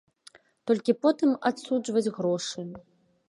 Толькі потым адсуджваць грошы.